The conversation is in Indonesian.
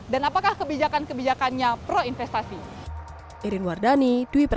dan apakah kebijakan kebijakannya pro investasi